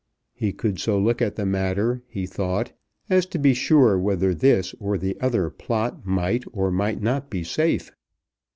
He could so look at the matter, he thought, as to be sure whether this or the other plot might or might not be safe.